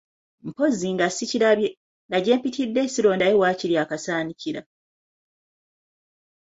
Mpozzi nga ssikirabye, nga gye mpitidde ssirondayo waakiri akasaanikira!